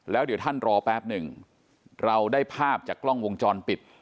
แล้วเดี๋ยวท่านรอแป๊บหนึ่งเราได้ภาพจากกล้องวงจรปิด